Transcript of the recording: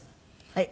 はい。